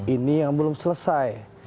ini yang belum selesai